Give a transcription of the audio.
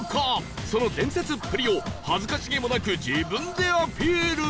その伝説っぷりを恥ずかしげもなく自分でアピール